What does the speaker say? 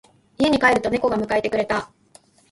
家に帰ると猫が迎えてくれた。